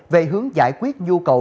về hướng giải quyết nhu cầu